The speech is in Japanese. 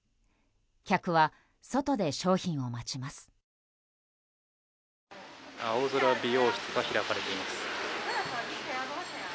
客は外で商品を待ちます。